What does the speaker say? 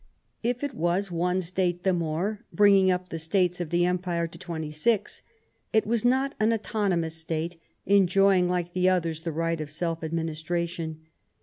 If it was one State the more, bringing up the States of the Empire to twenty six, it was not an autonomous State, enjoying, like the others, the right of self administration.